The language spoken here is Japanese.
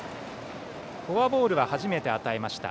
フォアボールは初めて与えました。